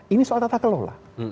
ini soal tata kelola